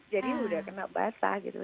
jadi udah kena basah gitu